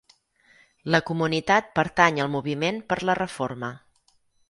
La comunitat pertany al moviment per la reforma.